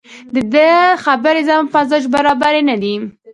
دده خبرې زما په مزاج برابرې نه دي